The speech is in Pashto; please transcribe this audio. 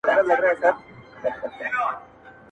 پر جناره درته درځم جانانه هېر مي نه کې -